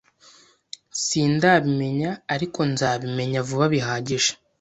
Sindabimenya, ariko nzabimenya vuba bihagije.